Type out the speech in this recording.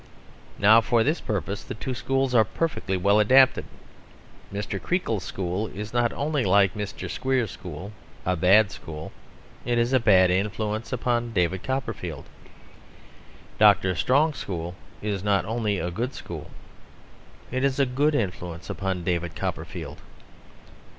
Now for this purpose the two schools are perfectly well adapted. Mr. Creakle's school is not only, like Mr. Squeers's school, a bad school, it is a bad influence upon David Copperfield. Dr. Strong's school is not only a good school, it is a good influence upon David Copperfield.